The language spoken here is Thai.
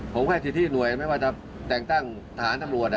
ผมแค่ที่ที่หน่วยไม่ว่าจะแต่งตั้งฐานตำรวจ